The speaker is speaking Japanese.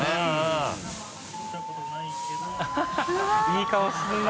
いい顔するな。